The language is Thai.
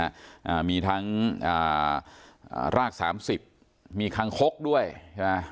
อ่ามีทั้งอ่าอ่ารากสามสิบมีคังคกด้วยใช่ไหม